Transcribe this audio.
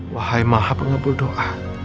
wahai maha pengabul doa